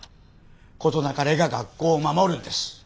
事なかれが学校を守るんです。